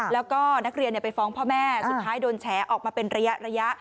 แล้วก็นักเรียนไปฟ้องพ่อแม่สุดท้ายโดนแฉออกมาเป็นระยะ